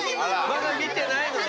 まだ見てないのね。